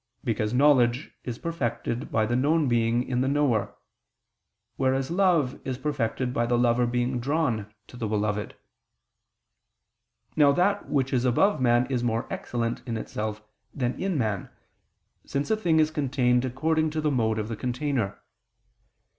Because knowledge is perfected by the known being in the knower: whereas love is perfected by the lover being drawn to the beloved. Now that which is above man is more excellent in itself than in man: since a thing is contained according to the mode of the container.